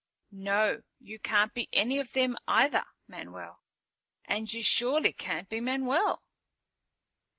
"No, you can't be any of them either, Manuel. And you surely can't be Manuel."